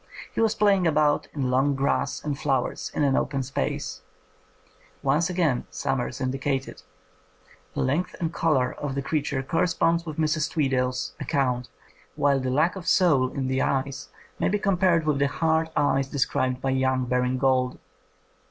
He was playing about in long grass and flowers in an open space." Once again summer is indicated. The length and colour of the creature correspond with Mrs. Tweedale 's 133 THE COMING OF THE FAIRIES account, while tlie lack of soul in the eyes may be compared with the ''hard" eyes de scribed by young Baring Gould.